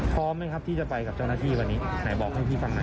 พร้อมไหมครับที่จะไปกับเจ้าหน้าที่วันนี้ไหนบอกให้พี่ฟังหน่อย